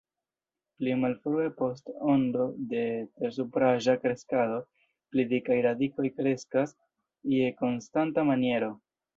Pli malfrue, post ondo de tersupraĵa kreskado, pli dikaj radikoj kreskas je konstanta maniero.